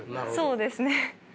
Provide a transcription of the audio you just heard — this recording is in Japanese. そうですね。